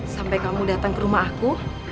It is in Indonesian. sampai kamu datang ke rumah aku